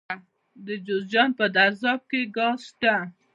د جوزجان په درزاب کې ګاز شته.